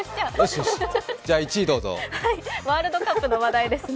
ワールドカップの話題ですね。